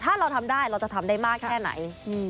ถ้าเราทำได้เราจะทำได้มากแค่ไหน